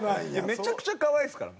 めちゃくちゃかわいいですから。